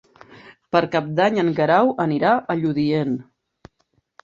Per Cap d'Any en Guerau anirà a Lludient.